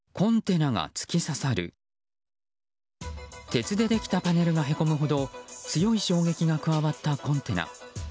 鉄でできたパネルがへこむほど強い衝撃が加わったコンテナ。